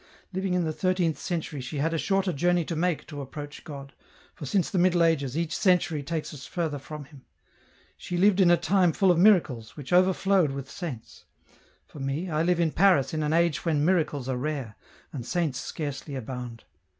Living in the thirteenth century EN ROUTE. 185 she had a shorter iourney to make to approach God, for since the Middle Ages, each century takes us further from Him ! she Hved in a time full of miracles, which overflowed with Saints. For me, I live in Paris in an age when miracles are rare and Saints scarcely abound.